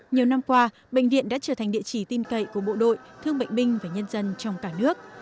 nhiều năm qua bệnh viện đã trở thành địa chỉ tin cậy của bộ đội thương bệnh binh và nhân dân trong cả nước